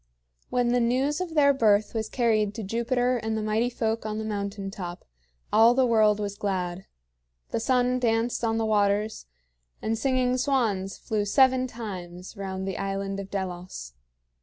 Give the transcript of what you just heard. When the news of their birth was carried to Jupiter and the Mighty Folk on the mountain top, all the world was glad. The sun danced on the waters, and singing swans flew seven times round the island of Delos.